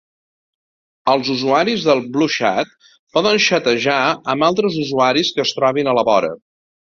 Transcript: Els usuaris de BlueChat poden xatejar amb altres usuaris que es trobin a la vora.